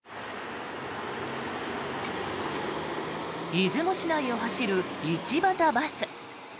出雲市内を走る一畑バス。